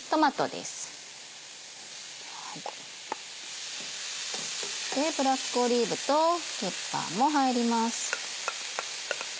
でブラックオリーブとケッパーも入ります。